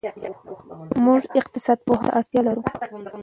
موږ اقتصاد پوهانو ته اړتیا لرو.